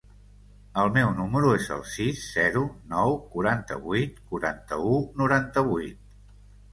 El meu número es el sis, zero, nou, quaranta-vuit, quaranta-u, noranta-vuit.